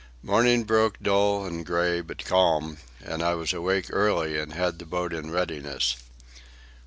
Morning broke dull and grey, but calm, and I was awake early and had the boat in readiness.